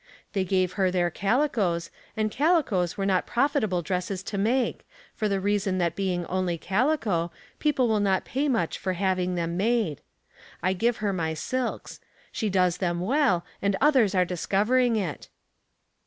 They gave her their calicoes, and calicoes are not profitable dresses to make, for the reason that being only calico, people will not pay much for having them made. I give her my silks. She does them well, and others are discovering it."